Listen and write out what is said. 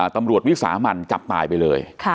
วิสามันจับตายไปเลย